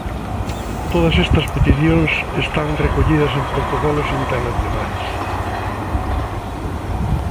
Todas estas peticións están recollidas en protocolos internacionais.